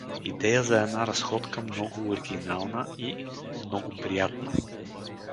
— Идея за една разходка много оригинална и… много приятна.